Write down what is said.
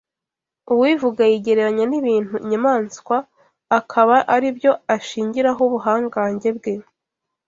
Uwivuga yigereranya n’ibintu inyamaswa akaba ari byo ashingiraho ubuhangange bwe